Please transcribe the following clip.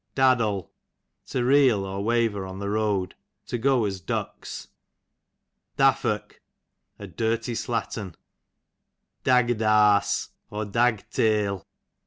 D addle, to reel, or waver on the road, to go as ducks. Daffock, a dirty slattern. Dagg'd arse, ) q. dswy arse.